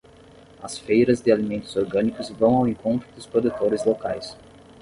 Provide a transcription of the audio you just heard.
As feiras de alimentos orgânicos vão ao encontro dos produtores locais